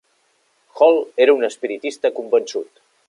Hall era un espiritista convençut.